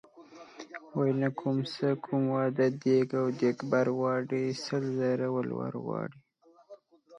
وايي نه کومه څه کوم واده دیګ او دیګبر غواړي سل زره ولور غواړي .